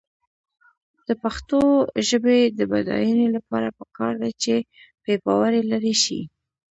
د پښتو ژبې د بډاینې لپاره پکار ده چې بېباوري لرې شي.